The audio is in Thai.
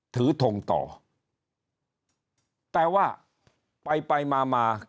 ทงต่อแต่ว่าไปไปมามา